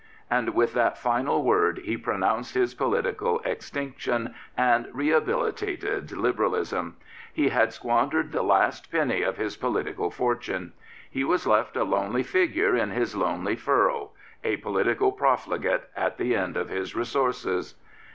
And with that final word he pronounced his political extinction and rehabilitated Liberalism. He had squandered the last penny of his political fortune. 1S3 Prophets, Priests, and Kings He was left a lonely figure in his lonely furrow — a political profligate at the end of his resources.